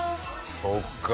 そっか。